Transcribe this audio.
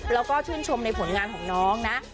แล้วก็ชื่นชมในผลงานของน้องนะ